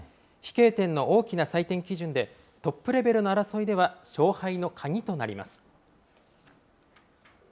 飛型点の大きな採点基準でトップレベルの争いでは勝敗の鍵となります。